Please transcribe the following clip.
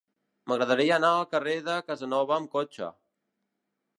M'agradaria anar al carrer de Casanova amb cotxe.